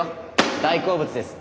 大好物です。